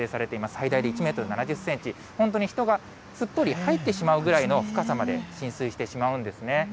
最大で１メートル７０センチ、本当に人がすっぽり入ってしまうぐらいの深さまで浸水してしまうんですね。